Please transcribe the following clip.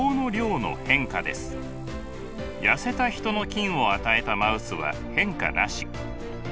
痩せたヒトの菌を与えたマウスは変化なし。